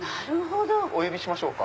お呼びしましょうか？